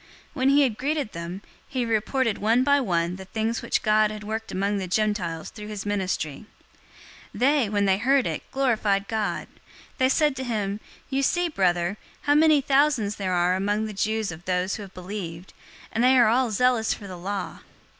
021:019 When he had greeted them, he reported one by one the things which God had worked among the Gentiles through his ministry. 021:020 They, when they heard it, glorified God. They said to him, "You see, brother, how many thousands there are among the Jews of those who have believed, and they are all zealous for the law.